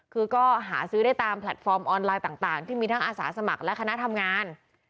คือก็หาซื้อได้ตามแพลตฟอร์มออนไลน์ต่างที่มีทั้งอาสาสมัครและคณะทำงาน